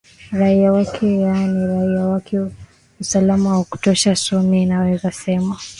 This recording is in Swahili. raia wake yaani raia wake usalama wa kutosha so mi naweza semaa